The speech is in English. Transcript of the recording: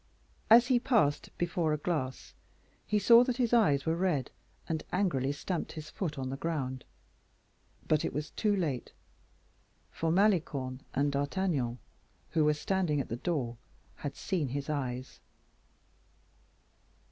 As he passed before a glass, he saw that his eyes were red, and angrily stamped his foot on the ground. But it was too late, for Malicorne and D'Artagnan, who were standing at the door, had seen his eyes.